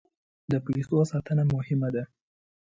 د پیسو ساتنه مهمه ده.